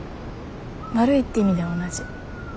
悪いって意味では同じ。